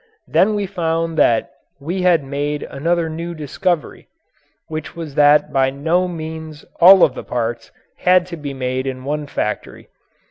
Then we found that we had made another new discovery, which was that by no means all of the parts had to be made in one factory.